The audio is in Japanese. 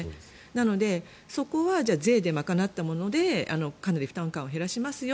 なので、そこは税で賄ったものでかなり負担感を減らしますよ。